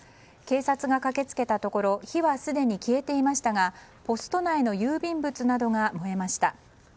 警察が駆け付けたところ火はすでに消えていましたがポスト内の郵便物などが燃えました。